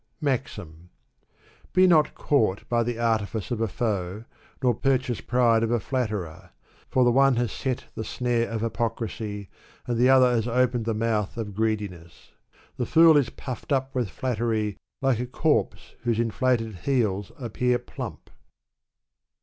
MAXIM. Be not caught by the artifice of a foe, nor purchase pride of a flatterer ; for the one has set the snare of hypocrisy, and the other has opened the mouth of greediness. The fool is puffed up with flattery, like a corpse whose inflated heels appear plump.